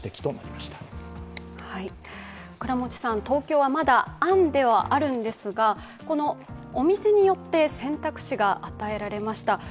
東京はまだ案ではあるんですがお店によって選択肢が与えられました。